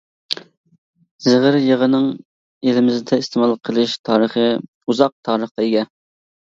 زىغىر يېغىنىڭ ئېلىمىزدە ئىستېمال قىلىش تارىخى ئۇزاق تارىخقا ئىگە.